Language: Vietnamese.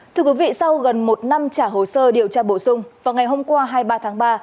thưa quý vị sau gần một năm trả hồ sơ điều tra bổ sung vào ngày hôm qua hai mươi ba tháng ba